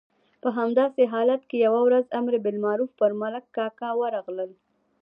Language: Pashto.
په همداسې حالت کې یوه ورځ امر بالمعروف پر ملک کاکا ورغلل.